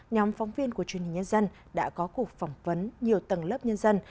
nhóm phóng viên của chương trình nhân dân đã có cuộc phỏng vấn nhiều tầng lớp nhân dân